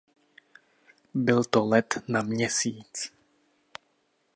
Byl to let na Měsíc.